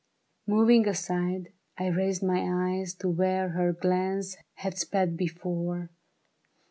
Moving aside, I raised my eyes To where her glance had sped before